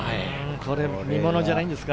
これは見ものじゃないですか？